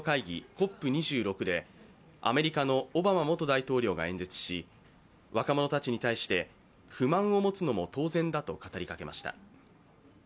ＣＯＰ２６でアメリカのオバマ元大統領が演説し、若者たちに対して不満を持つのも当然だと語りかけました。